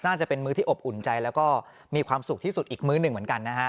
น่าจะเป็นมื้อที่อบอุ่นใจแล้วก็มีความสุขที่สุดอีกมื้อหนึ่งเหมือนกันนะฮะ